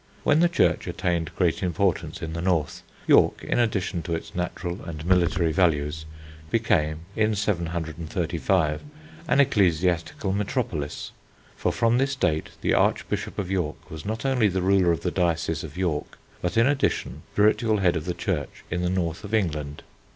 When the Church attained great importance in the north, York, in addition to its natural and military values became, in 735, an ecclesiastical metropolis, for from this date the Archbishop of York was not only the ruler of the diocese of York, but in addition spiritual head of the Church in the North of England.